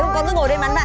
con cứ ngồi đây mắn vạ